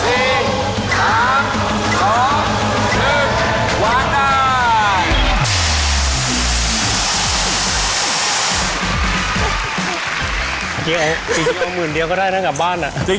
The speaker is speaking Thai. เอาหมื่นเดียวก็ได้ด้านกลางบ้าน